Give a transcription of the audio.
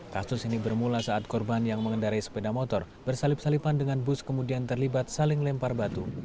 kasus ini bermula saat korban yang mengendarai sepeda motor bersalip salipan dengan bus kemudian terlibat saling lempar batu